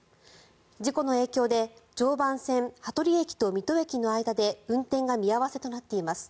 事故の影響で常磐線羽鳥駅と水戸駅の間で運転が見合わせとなっています。